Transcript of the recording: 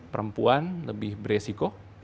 perempuan lebih beresiko